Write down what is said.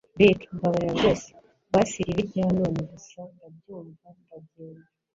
Ricky mbabarira rwose basi ribe irya none gusa ndabyuka ndagenda